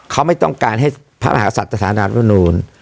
เขาไม่ต้องการให้พระอาสัตว์สถาบันดาลทธรรมนูญ